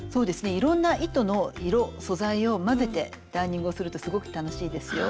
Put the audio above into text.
いろんな糸の色素材を交ぜてダーニングをするとすごく楽しいですよ。